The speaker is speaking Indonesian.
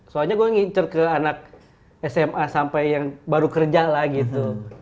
soalnya gue nginter ke anak sma sampai yang baru kerja lah gitu